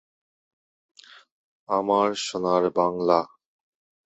গলায় তেমন শব্দ নেই।